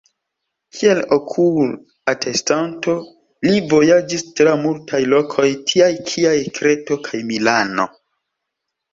Kiel okul-atestanto, li vojaĝis tra multaj lokoj tiaj kiaj Kreto kaj Milano.